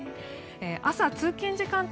朝、通勤時間帯